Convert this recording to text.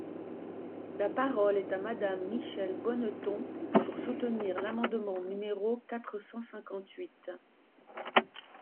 La parole est à Madame Michèle Bonneton, pour soutenir l’amendement numéro quatre cent cinquante-huit.